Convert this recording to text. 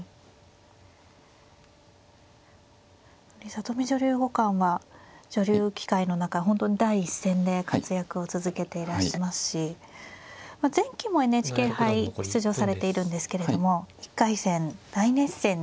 里見女流五冠は女流棋界の中本当第一線で活躍を続けていらっしゃいますし前期もＮＨＫ杯出場されているんですけれども１回戦大熱戦でしたね。